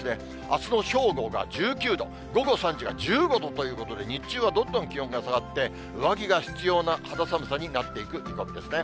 あすの正午が１９度、午後３時が１５度ということで、日中はどんどん気温が下がって、上着が必要な肌寒さになっていく見込みですね。